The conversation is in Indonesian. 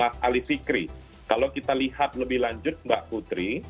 tapi kalau kita lihat lebih lanjut mbak putri